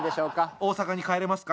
大阪に帰れますか？